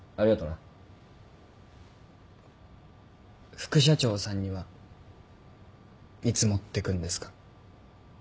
副社長さんにはいつ持ってくんですか？